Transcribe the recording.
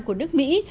của nước mỹ